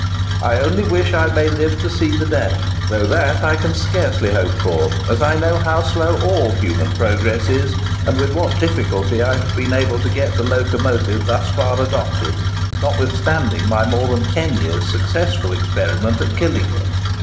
I only wish I may live to see the day, though that I can scarcely hope for, as I know how slow all human progress is, and with what difficulty I have been able to get the locomotive thus far adopted, notwithstanding my more than ten years' successful experiment at Killingworth."